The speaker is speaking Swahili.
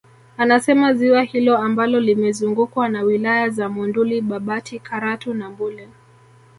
Anasema ziwa hilo ambalo limezungukwa na wilaya za Monduli Babati Karatu na Mbuli